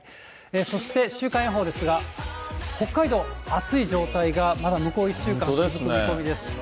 そして、週間予報ですが、北海道、暑い状態がまだ向こう１週間、続く見込みです。